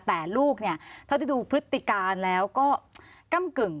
แต่ลูกเนี่ยเท่าที่ดูพฤติการแล้วก็ก้ำกึ่ง